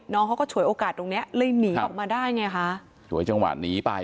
น้องเขาก็ฉวยโอกาสตรงเนี้ยเลยหนีออกมาได้ไงคะฉวยจังหวะหนีไป